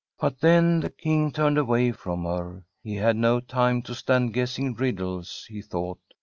But then the King turned away from her. He had no time to stand guessing riddles, he thought.